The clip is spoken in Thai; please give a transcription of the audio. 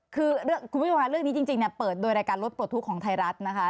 คือคุณผู้ชมค่ะเรื่องนี้จริงเปิดโดยรายการรถปลดทุกข์ของไทยรัฐนะคะ